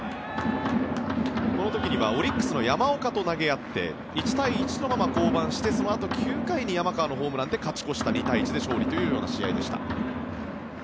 この時にはオリックスの山岡と投げ合って１対１のまま降板してそのあと９回の山川のホームランで勝ち越して２対１で勝利という試合でした。